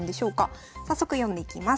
早速読んでいきます。